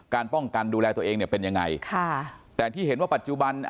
ป้องกันดูแลตัวเองเนี่ยเป็นยังไงค่ะแต่ที่เห็นว่าปัจจุบัน